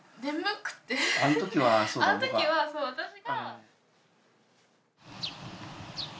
あのときはそう私が。